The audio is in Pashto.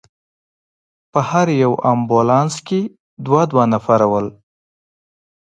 په هر یو امبولانس کې دوه دوه نفره ول.